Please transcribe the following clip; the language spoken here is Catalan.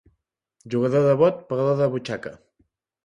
Jugador de bot, pagador de butxaca.